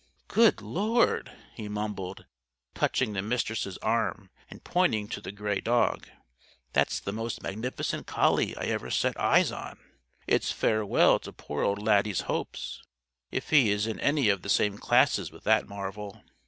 "Good Lord!" he mumbled, touching the Mistress' arm and pointing to the gray dog. "That's the most magnificent collie I ever set eyes on. It's farewell to poor old Laddie's hopes, if he is in any of the same classes with that marvel.